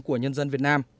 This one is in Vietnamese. của nhân dân việt nam